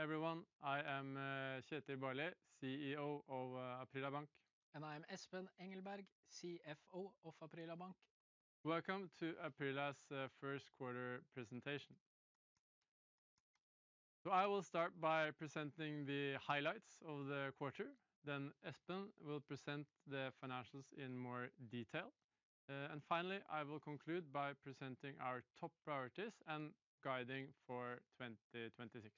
Hello, everyone. I am Kjetil Barli, CEO of Aprila Bank. I am Espen Engelberg, CFO of Aprila Bank. Welcome to Aprila's first quarter presentation. I will start by presenting the highlights of the quarter, then Espen will present the financials in more detail. Finally, I will conclude by presenting our top priorities and guiding for 2026.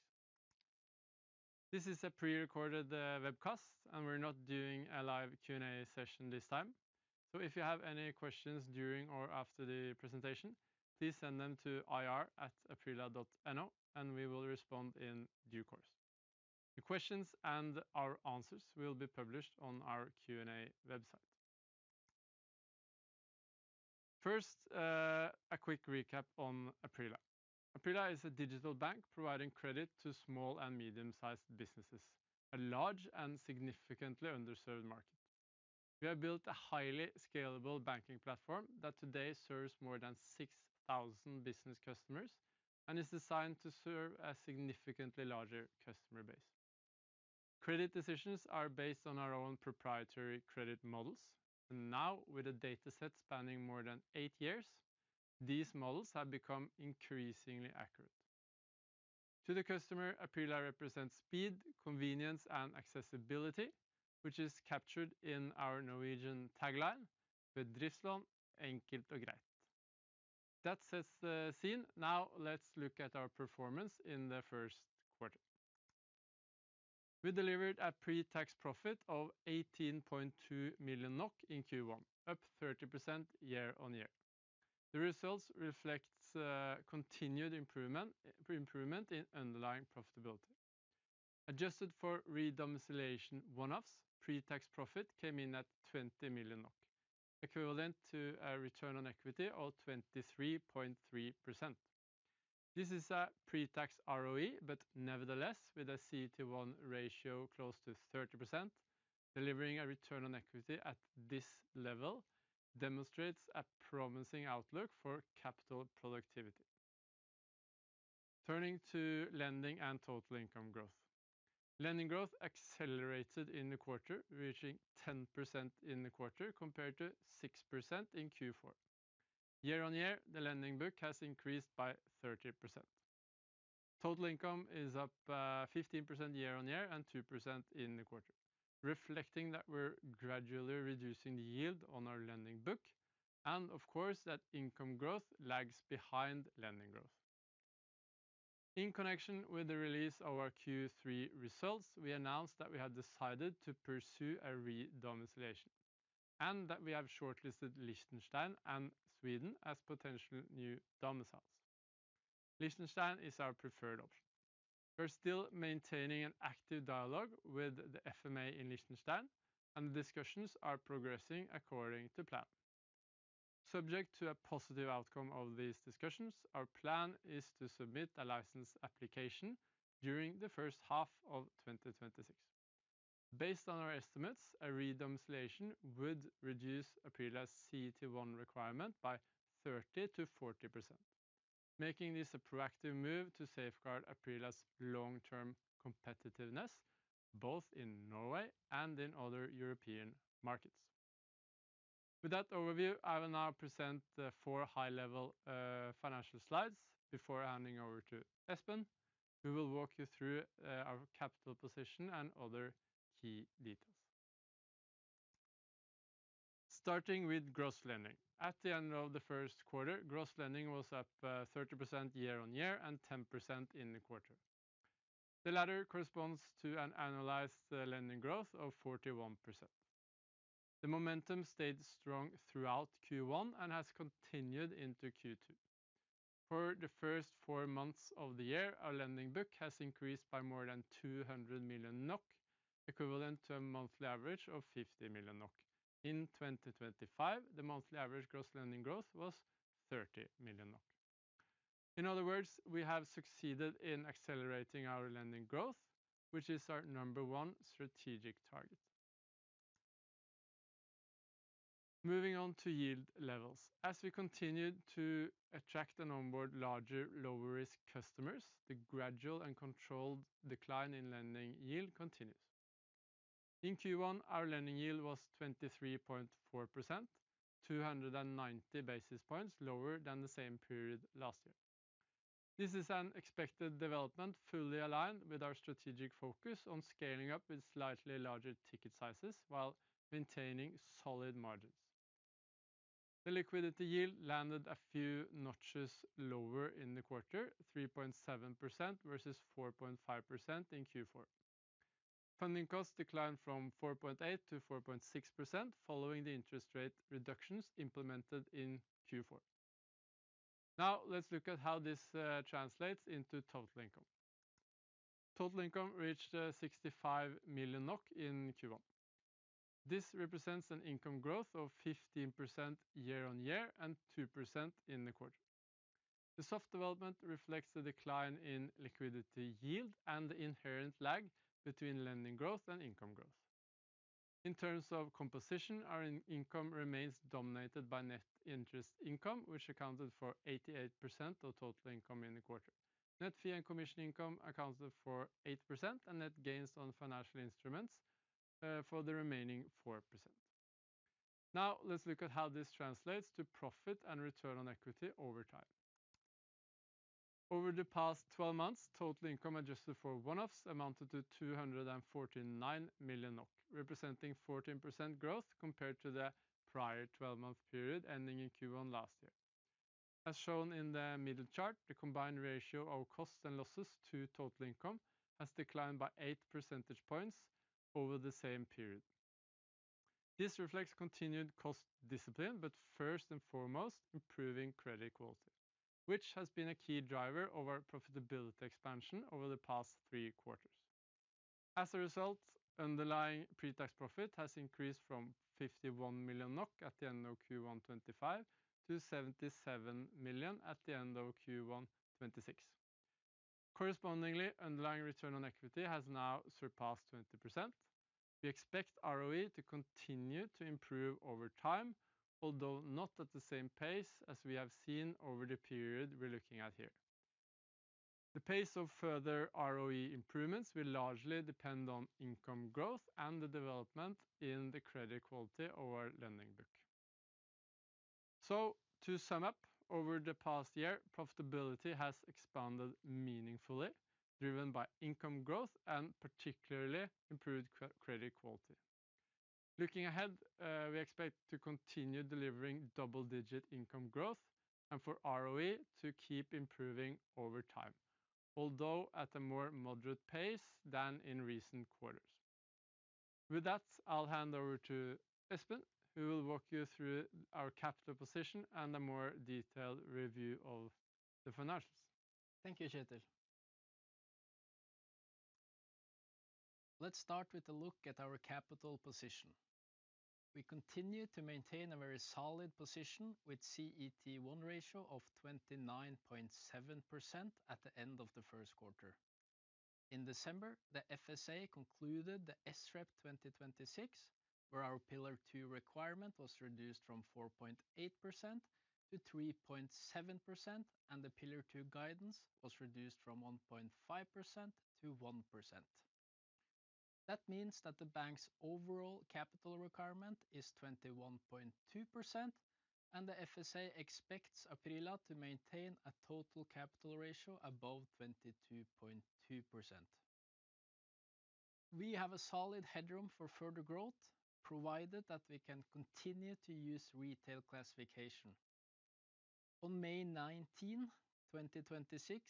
This is a pre-recorded webcast, and we're not doing a live Q&A session this time. If you have any questions during or after the presentation, please send them to ir@aprila.no and we will respond in due course. The questions and our answers will be published on our Q&A website. First, a quick recap on Aprila. Aprila is a digital bank providing credit to small and medium-sized businesses, a large and significantly underserved market. We have built a highly scalable banking platform that today serves more than 6,000 business customers and is designed to serve a significantly larger customer base. Credit decisions are based on our own proprietary credit models. Now, with a data set spanning more than eight years, these models have become increasingly accurate. To the customer, Aprila represents speed, convenience, and accessibility, which is captured in our Norwegian tagline, ""With Bedriftslån, enkelt og greit."" That sets the scene. Let's look at our performance in the first quarter. We delivered a pre-tax profit of 18.2 million NOK in Q1, up 30% year-on-year. The results reflect continued improvement in underlying profitability. Adjusted for re-domiciliation one-offs, pre-tax profit came in at 20 million NOK, equivalent to a return on equity of 23.3%. This is a pre-tax ROE, nevertheless, with a CET1 ratio close to 30%, delivering a return on equity at this level demonstrates a promising outlook for capital productivity. Turning to lending and total income growth. Lending growth accelerated in the quarter, reaching 10% in the quarter compared to 6% in Q4. Year-on-year, the lending book has increased by 30%. Total income is up 15% year-on-year and 2% in the quarter, reflecting that we're gradually reducing the yield on our lending book, and of course, that income growth lags behind lending growth. In connection with the release of our Q3 results, we announced that we have decided to pursue a re-domiciliation and that we have shortlisted Liechtenstein and Sweden as potential new domiciles. Liechtenstein is our preferred option. We're still maintaining an active dialogue with the FMA in Liechtenstein, and the discussions are progressing according to plan. Subject to a positive outcome of these discussions, our plan is to submit a license application during the first half of 2026. Based on our estimates, a re-domiciliation would reduce Aprila's CET1 requirement by 30%-40%, making this a proactive move to safeguard Aprila's long-term competitiveness, both in Norway and in other European markets. With that overview, I will now present the four high-level financial slides before handing over to Espen, who will walk you through our capital position and other key details. Starting with gross lending. At the end of the first quarter, gross lending was up 30% year-on-year and 10% in the quarter. The latter corresponds to an annualized lending growth of 41%. The momentum stayed strong throughout Q1 and has continued into Q2. For the first four months of the year, our lending book has increased by more than 200 million NOK, equivalent to a monthly average of 50 million NOK. In 2025, the monthly average gross lending growth was 30 million NOK. In other words, we have succeeded in accelerating our lending growth, which is our number one strategic target. Moving on to yield levels. As we continued to attract and onboard larger, lower-risk customers, the gradual and controlled decline in lending yield continues. In Q1, our lending yield was 23.4%, 290 basis points lower than the same period last year. This is an expected development fully aligned with our strategic focus on scaling up with slightly larger ticket sizes while maintaining solid margins. The liquidity yield landed a few notches lower in the quarter, 3.7% versus 4.5% in Q4. Funding costs declined from 4.8% to 4.6% following the interest rate reductions implemented in Q4. Let's look at how this translates into total income. Total income reached 65 million NOK in Q1. This represents an income growth of 15% year-on-year and 2% in the quarter. The soft development reflects the decline in liquidity yield and the inherent lag between lending growth and income growth. In terms of composition, our income remains dominated by net interest income, which accounted for 88% of total income in the quarter. Net fee and commission income accounted for 8%, net gains on financial instruments for the remaining 4%. Let's look at how this translates to profit and return on equity over time. Over the past 12 months, total income adjusted for one-offs amounted to 249 million NOK, representing 14% growth compared to the prior 12-month period ending in Q1 last year. As shown in the middle chart, the combined ratio of costs and losses to total income has declined by 8 percentage points over the same period. This reflects continued cost discipline, but first and foremost, improving credit quality, which has been a key driver of our profitability expansion over the past three quarters. As a result, underlying pre-tax profit has increased from 51 million NOK at the end of Q1 2025 to 77 million at the end of Q1 2026. Correspondingly, underlying return on equity has now surpassed 20%. We expect ROE to continue to improve over time, although not at the same pace as we have seen over the period we're looking at here. The pace of further ROE improvements will largely depend on income growth and the development in the credit quality of our lending book. To sum up, over the past year, profitability has expanded meaningfully, driven by income growth and particularly improved credit quality. Looking ahead, we expect to continue delivering double-digit income growth and for ROE to keep improving over time, although at a more moderate pace than in recent quarters. With that, I'll hand over to Espen, who will walk you through our capital position and a more detailed review of the financials. Thank you, Kjetil Barli. Let's start with a look at our capital position. We continue to maintain a very solid position with CET1 ratio of 29.7% at the end of the first quarter. In December, the FSA concluded the SREP 2026, where our Pillar 2 requirement was reduced from 4.8% to 3.7% and the Pillar 2 guidance was reduced from 1.5% to 1%. That means that the bank's overall capital requirement is 21.2%, and the FSA expects Aprila to maintain a total capital ratio above 22.2%. We have a solid headroom for further growth, provided that we can continue to use retail classification. On May 19, 2026,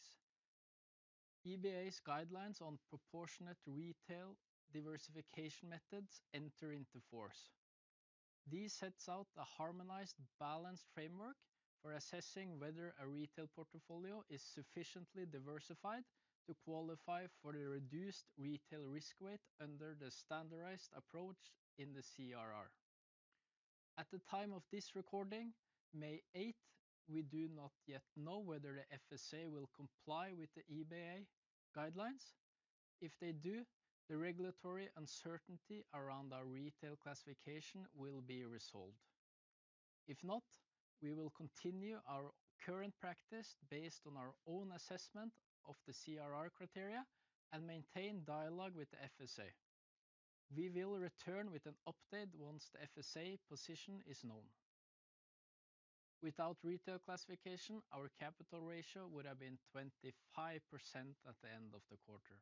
EBA's guidelines on proportionate retail diversification methods enter into force. This sets out a harmonized, balanced framework for assessing whether a retail portfolio is sufficiently diversified to qualify for the reduced retail risk weight under the standardized approach in the CRR. At the time of this recording, May 8th, we do not yet know whether the FSA will comply with the EBA guidelines. If they do, the regulatory uncertainty around our retail classification will be resolved. If not, we will continue our current practice based on our own assessment of the CRR criteria and maintain dialogue with the FSA. We will return with an update once the FSA position is known. Without retail classification, our capital ratio would have been 25% at the end of the quarter.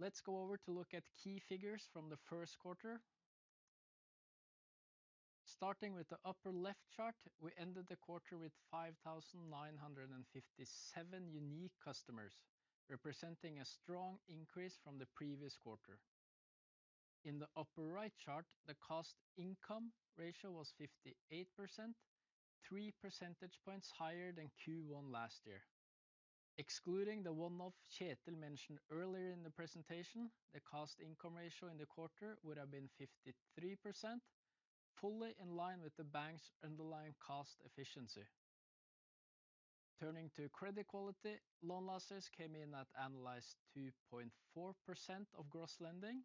Let's go over to look at key figures from the first quarter. Starting with the upper left chart, we ended the quarter with 5,957 unique customers, representing a strong increase from the previous quarter. In the upper right chart, the cost income ratio was 58%, 3 percentage points higher than Q1 last year. Excluding the one-off Kjetil mentioned earlier in the presentation, the cost income ratio in the quarter would have been 53%, fully in line with the bank's underlying cost efficiency. Turning to credit quality, loan losses came in at annualized 2.4% of gross lending.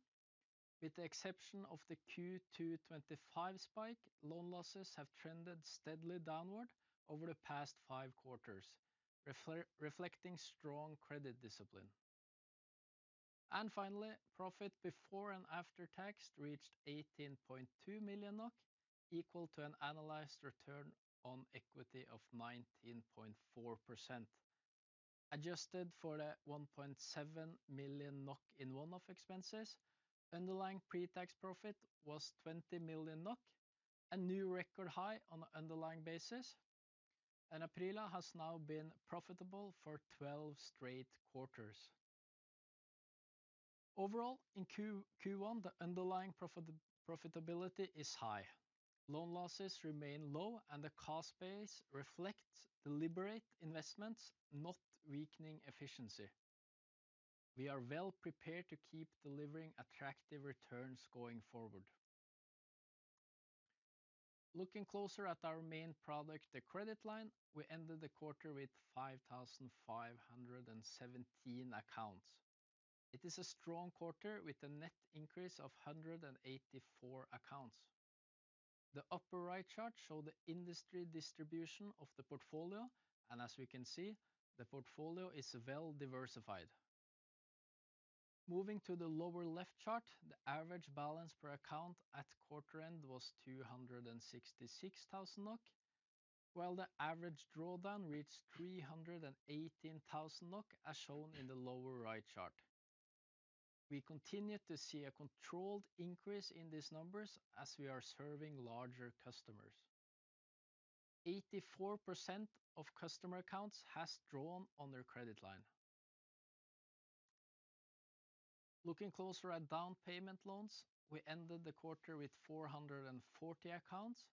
With the exception of the Q2 2025 spike, loan losses have trended steadily downward over the past five quarters, reflecting strong credit discipline. Finally, profit before and after tax reached 18.2 million NOK, equal to an annualized return on equity of 19.4%. Adjusted for the 1.7 million NOK in one-off expenses, underlying pre-tax profit was 20 million NOK, a new record high on an underlying basis. Aprila has now been profitable for 12 straight quarters. Overall, in Q1, the underlying profitability is high. Loan losses remain low. The cost base reflects deliberate investments, not weakening efficiency. We are well prepared to keep delivering attractive returns going forward. Looking closer at our main product, the credit line, we ended the quarter with 5,517 accounts. It is a strong quarter with a net increase of 184 accounts. The upper right chart shows the industry distribution of the portfolio. As we can see, the portfolio is well diversified. Moving to the lower left chart, the average balance per account at quarter end was 266,000 NOK, while the average drawdown reached 318,000 NOK, as shown in the lower right chart. We continue to see a controlled increase in these numbers as we are serving larger customers. 84% of customer accounts has drawn on their credit line. Looking closer at down payment loans, we ended the quarter with 440 accounts,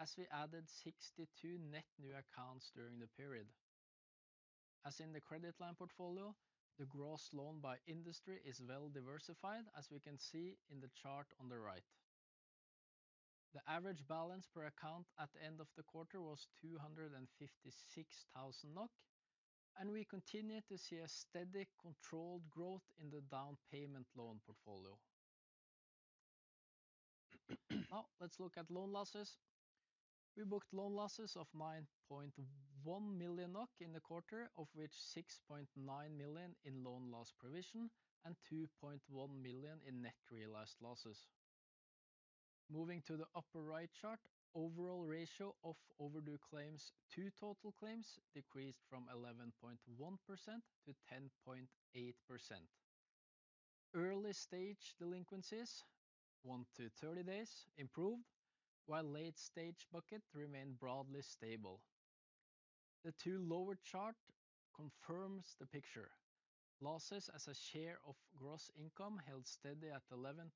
as we added 62 net new accounts during the period. As in the credit line portfolio, the gross loan by industry is well diversified, as we can see in the chart on the right. The average balance per account at the end of the quarter was 256,000 NOK, and we continue to see a steady controlled growth in the down payment loan portfolio. Let's look at loan losses. We booked loan losses of 9.1 million NOK in the quarter, of which 6.9 million in loan loss provision and 2.1 million in net realized losses. Moving to the upper right chart, overall ratio of overdue claims to total claims decreased from 11.1% to 10.8%. Early stage delinquencies, one to 30 days improved while late stage bucket remained broadly stable. The two lower chart confirms the picture. Losses as a share of gross income held steady at 11%,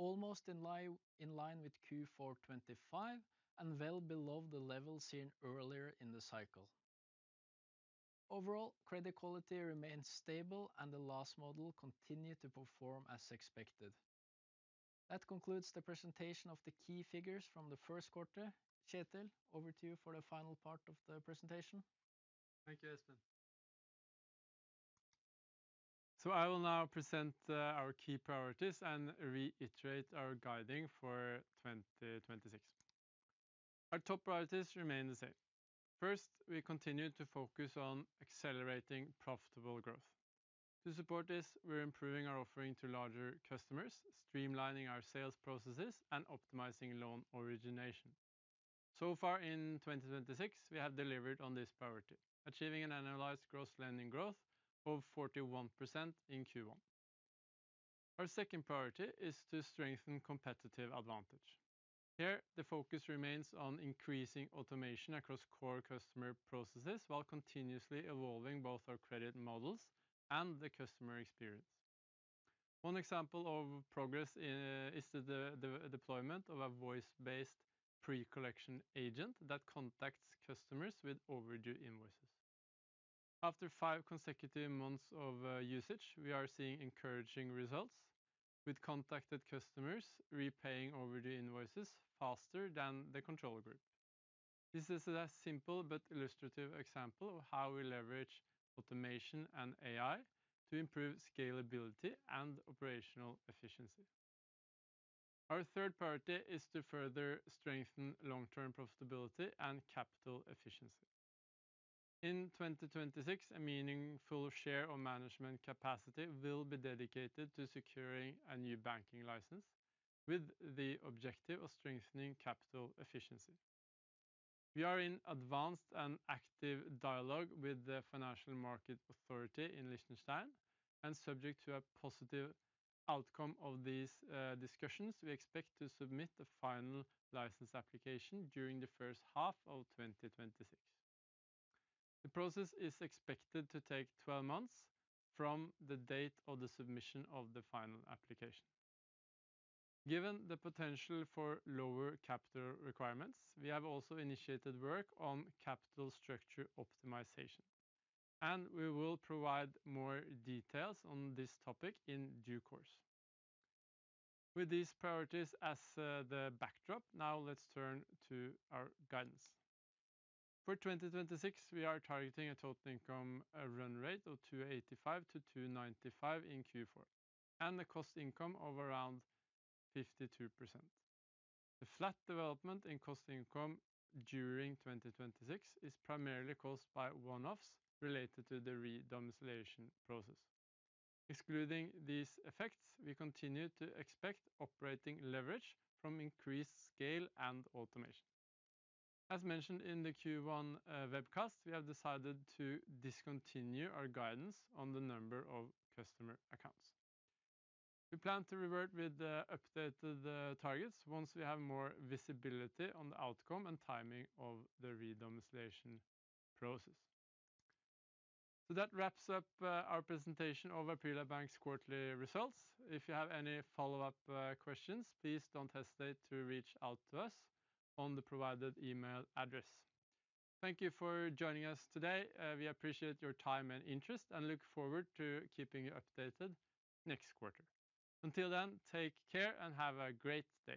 almost in line with Q4 2025 and well below the level seen earlier in the cycle. Overall, credit quality remains stable and the loss model continue to perform as expected. That concludes the presentation of the key figures from the first quarter. Kjetil, over to you for the final part of the presentation. Thank you, Espen. I will now present our key priorities and reiterate our guiding for 2026. Our top priorities remain the same. First, we continue to focus on accelerating profitable growth. To support this, we're improving our offering to larger customers, streamlining our sales processes, and optimizing loan origination. Far in 2026, we have delivered on this priority, achieving an annualized gross lending growth of 41% in Q1. Our second priority is to strengthen competitive advantage. Here, the focus remains on increasing automation across core customer processes, while continuously evolving both our credit models and the customer experience. One example of progress is the deployment of a voice-based pre-collection agent that contacts customers with overdue invoices. After five consecutive months of usage, we are seeing encouraging results with contacted customers repaying overdue invoices faster than the control group. This is a simple but illustrative example of how we leverage automation and AI to improve scalability and operational efficiency. Our third priority is to further strengthen long-term profitability and capital efficiency. In 2026, a meaningful share of management capacity will be dedicated to securing a new banking license with the objective of strengthening capital efficiency. We are in advanced and active dialogue with the Financial Market Authority in Liechtenstein, and subject to a positive outcome of these discussions, we expect to submit the final license application during the first half of 2026. The process is expected to take 12 months from the date of the submission of the final application. Given the potential for lower capital requirements, we have also initiated work on capital structure optimization, and we will provide more details on this topic in due course. With these priorities as the backdrop, now let's turn to our guidance. For 2026, we are targeting a total income, a run rate of 285-295 in Q4, and a cost income of around 52%. The flat development in cost income during 2026 is primarily caused by one-offs related to the re-domiciliation process. Excluding these effects, we continue to expect operating leverage from increased scale and automation. As mentioned in the Q1 webcast, we have decided to discontinue our guidance on the number of customer accounts. We plan to revert with the updated targets once we have more visibility on the outcome and timing of the re-domiciliation process. That wraps up our presentation of Aprila Bank's quarterly results. If you have any follow-up questions, please don't hesitate to reach out to us on the provided email address. Thank you for joining us today. We appreciate your time and interest and look forward to keeping you updated next quarter. Until then, take care and have a great day.